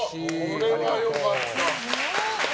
これは良かった。